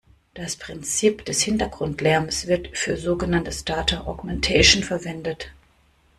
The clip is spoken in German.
Das Prinzip des Hintergrundlärms wird für sogenanntes "Data Augmentation" verwendet.